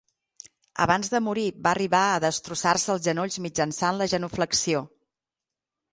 Abans de morir va arribar a destrossar-se els genolls mitjançant la genuflexió.